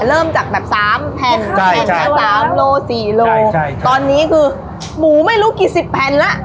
เริ่มจากแบบสามแผ่นแผ่นละ๓โล๔โลตอนนี้คือหมูไม่รู้กี่สิบแผ่นแล้ว